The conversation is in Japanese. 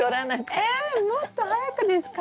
えもっと早くですか？